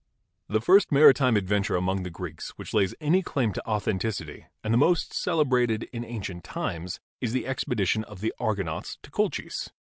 "The first maritime adventure among the Greeks which lays any claim to authenticity, and the most celebrated in ancient times, is the expedition of the Argonauts to Col chis.